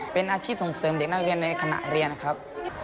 เป็นอาชีพส่งเสริมเด็กนักเรียนในขณะเรียนนะครับ